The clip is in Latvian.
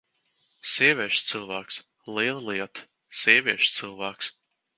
Sievieša cilvēks! Liela lieta: sievieša cilvēks!